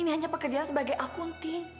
ini hanya pekerjaan sebagai akunti